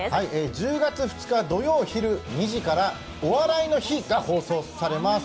１０月２日土曜ひるの２時から「お笑いの日」が放送されます。